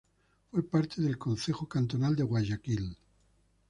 Fue parte del Concejo Cantonal de Guayaquil.